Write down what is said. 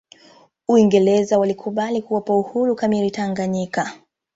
uingereza walikubali kuwapa uhuru kamili tanganyika